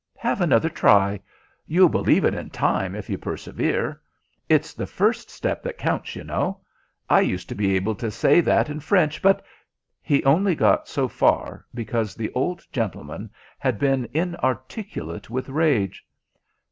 Have another try. You'll believe it in time if you persevere. It's the first step that counts, you know. I used to be able to say that in French, but " He only got so far because the old gentleman had been inarticulate with rage.